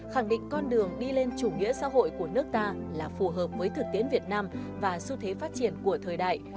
khẳng định con đường đi lên chủ nghĩa xã hội của nước ta là phù hợp với thực tiến việt nam và xu thế phát triển của thời đại